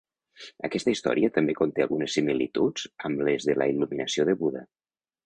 Aquesta història també conté algunes similituds amb les de la il·luminació de Buda.